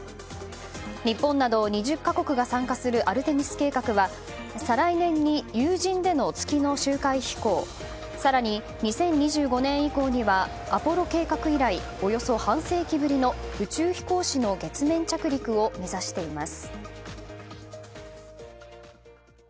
日本など２０か国が参加するアルテミス計画は再来年に有人での月の周回飛行更に、２０２５年以降にはアポロ計画以来およそ半世紀ぶりの宇宙飛行士の月面着陸を目指しています。